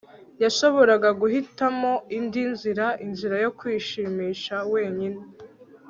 yashoboraga guhitamo indi nzira, inzira yo kwishimisha wenyine